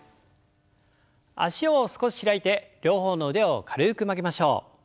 脚を少し開いて両方の腕を軽く曲げましょう。